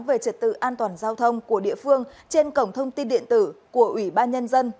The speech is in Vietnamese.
về trật tự an toàn giao thông của địa phương trên cổng thông tin điện tử của ủy ban nhân dân